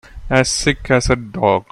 As sick as a dog.